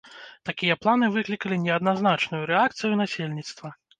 Такія планы выклікалі неадназначную рэакцыю насельніцтва.